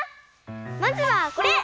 まずはこれ！